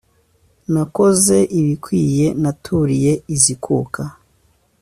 nakoze ibikwiye, naturiye izikuka,